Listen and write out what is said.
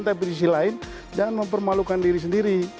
tapi di sisi lain jangan mempermalukan diri sendiri